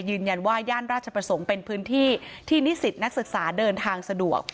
ยืนยันว่าย่านราชประสงค์เป็นพื้นที่ที่นิสิตนักศึกษาเดินทางสะดวก